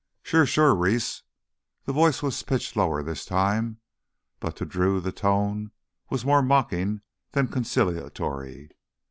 "Sure, sure, Reese—" The voice was pitched lower this time, but to Drew the tone was more mocking than conciliatory.